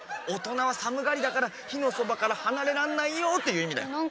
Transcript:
「おとなはさむがりだからひのそばからはなれらんないよ」といういみだよ。